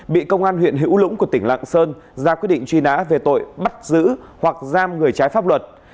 bị công an huyện hữu lũng của tỉnh lạng sơn ra quyết định truy nã về tội bắt giữ hoặc giam người trái pháp luật